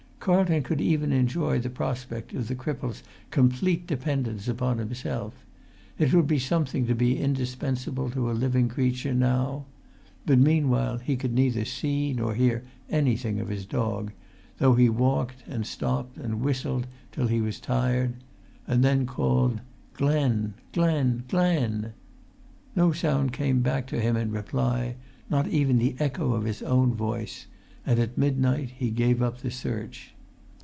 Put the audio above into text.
Carlton could even enjoy the prospect of the cripple's complete dependence upon himself: it would be something to be indispensable to living creature now. But meanwhile he could neither see[Pg 205] nor hear anything of his dog, though he walked, and stopped, and whistled till he was tired, and then called, "Glen! Glen! Glen!" No sound came back to him in reply; not even the echo of his own voice; and at midnight he gave up the search.